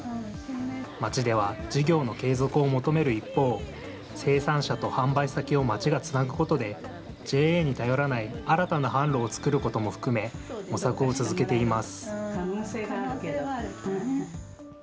町では事業の継続を求める一方、生産者と販売先を町がつなぐことで、ＪＡに頼らない新たな販路を作ることも含め、模索を続けています。